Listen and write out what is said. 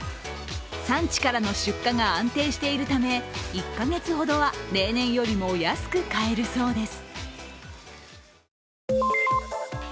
産地からの出荷が安定しているため１か月ほどは例年よりも安く買えるそうです。